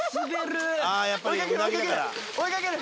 追いかける！